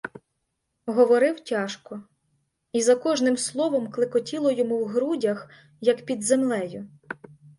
Говорив тяжко, і за кожним словом клекотіло йому в грудях, як під землею.